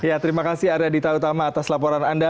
ya terima kasih aradita utama atas laporan anda